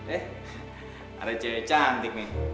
eh ada cewek cantik nih